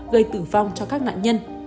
gây tử vong cho các nạn nhân